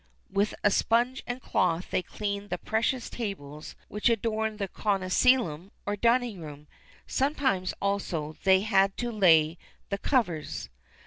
With a sponge and a cloth they cleaned the precious tables which adorned the cœnaculum, or dining room. Sometimes, also, they had to lay the covers.